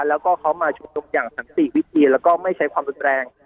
แล้วก็เขามาชุมนุมอย่างสันติวิธีแล้วก็ไม่ใช้ความรุนแรง